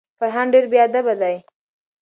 فرهان ډیر بیادبه دی.